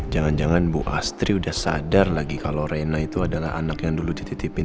jangan jangan bu astri udah sadar lagi kalau rena itu adalah anak yang dulu dititipin